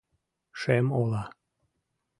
Шем ола